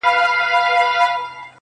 پېژندل یې کورنیو له عمرونو؛